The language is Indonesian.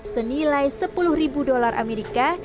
senilai sepuluh ribu dolar amerika